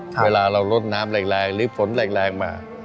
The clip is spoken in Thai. เวลาเราลดน้ำแรงหรือฝนแรงมา